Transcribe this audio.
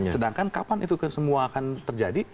sedangkan kapan itu semua akan terjadi